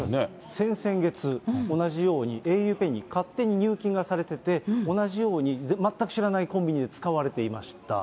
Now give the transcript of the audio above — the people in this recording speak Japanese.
先々月、同じようにａｕＰＡＹに勝手に入金がされてて、同じように、全く知らないコンビニで使われていました。